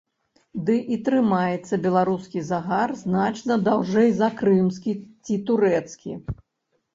Ды і трымаецца беларускі загар значна даўжэй за крымскі ці турэцкі.